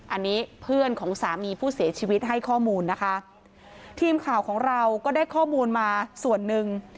อันนี้เพื่อนของสามีผู้เสียชีวิตให้ข้อมูลนะคะทีมข่าวของเราก็ได้ข้อมูลมาส่วนหนึ่ง